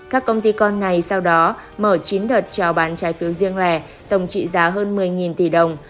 các công ty con này sau đó mở chín đợt trao bán trái phiếu riêng lẻ tổng trị giá hơn một mươi tỷ đồng